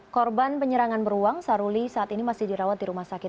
korban penyerangan beruang saruli saat ini masih dirawat di rumah sakit